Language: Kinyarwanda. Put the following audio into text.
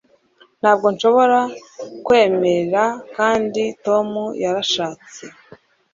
ntabwo nshobora kukwemera kandi tom yarashatse